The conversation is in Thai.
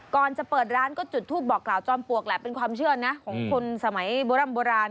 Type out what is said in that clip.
ก่อนจะเปิดร้านก็จุดทูปบอกกล่าวจอมปลวกแหละเป็นความเชื่อนะของคนสมัยโบร่ำโบราณ